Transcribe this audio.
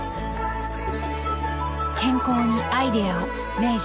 健康にアイデアを明治